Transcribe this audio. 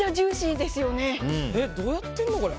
どうやってるのこれ。